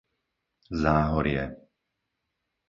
Záhorie